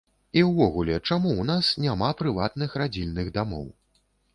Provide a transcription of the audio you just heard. І ўвогуле, чаму у нас няма прыватных радзільных дамоў?